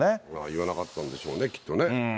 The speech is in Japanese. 言わなかったんでしょうね、きっとね。